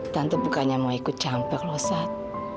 tante bukannya mau ikut jamper loh sat